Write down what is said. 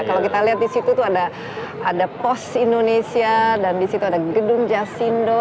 kalau kita lihat di situ tuh ada pos indonesia dan di situ ada gedung jasindo